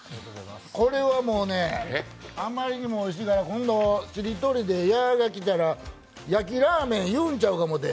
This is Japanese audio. これはもうね、あまりにもおいしいから今度しりとりで「や」が来たら、焼ラーメン言うんちゃうか思うて。